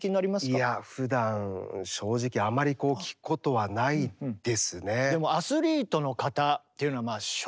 いやふだん正直あまりこう聴くことはないですね。